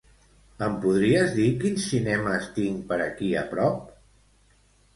Em podries dir quins cinemes tinc per aquí a prop?